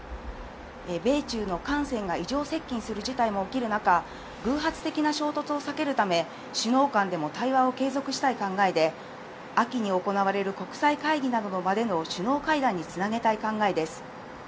米中の艦船が異常接近する事態も起きる中、偶発的な衝突を避けるため、首脳間でも対話を継続したい考えで、秋に行われる国際会議などの場での首脳会談に繋げたい考えです。